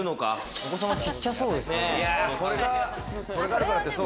お子様はちっちゃそうですね。